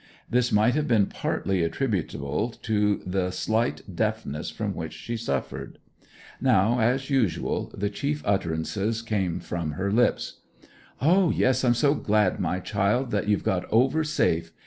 This might have been partly attributable to the slight deafness from which she suffered. Now, as usual, the chief utterances came from her lips. 'Ah, yes, I'm so glad, my child, that you've got over safe.